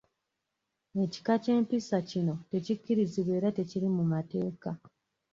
Ekika ky'empisa kino tekikkirizibwa era tekiri mu mateeka.